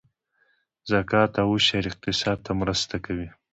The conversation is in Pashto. زکات او عشر اقتصاد ته مرسته کوي